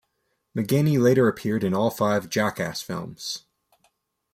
McGhehey later appeared in all five "Jackass" films.